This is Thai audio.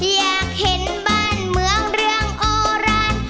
อยากเห็นบ้านเมืองเรื่องโอรัน